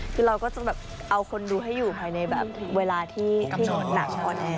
คือเราก็จะแบบเอาคนดูให้อยู่ภายในแบบเวลาที่หนักพอแน่